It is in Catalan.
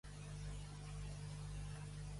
Quina va ser la resposta d'Hermes i Zeus?